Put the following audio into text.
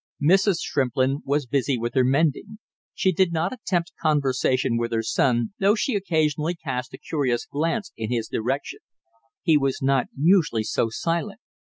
Mrs. Shrimplin was busy with her mending. She did not attempt conversation with her son, though she occasionally cast a curious glance in his direction; he was not usually so silent.